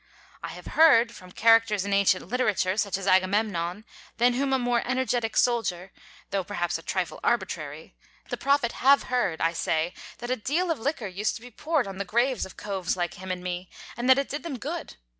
I have heard, from characters in ancient literature, such as Agamemnon—than whom a more energetic soldier, though perhaps a trifle arbitrary—the Prophet have heard, I say, that a deal of liquor used to be poured on the graves of coves like him and me, and that it did them good.